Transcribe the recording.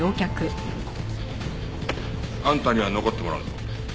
あんたには残ってもらうぞ。